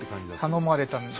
頼まれたんですよ。